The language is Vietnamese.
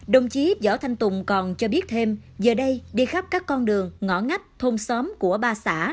đồng chí võ thanh tùng còn cho biết thêm giờ đây đi khắp các con đường ngõ ngách thôn xóm của ba xã